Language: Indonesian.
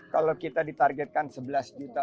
kalau kita ditargetkan sebelas juta